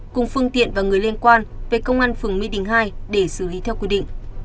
cùng phương tiện và người liên quan về công an phường mỹ đình hai để xử lý theo quy định